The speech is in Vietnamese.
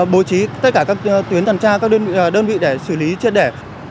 bố trí tất cả các tuyến thần tra các đơn vị để xử lý chất đẻ